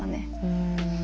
うん。